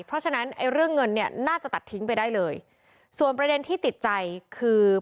เพราะฉะนั้นไอ้เรื่องเงินเนี่ยน่าจะตัดทิ้งไปได้เลยส่วนประเด็นที่ติดใจคือ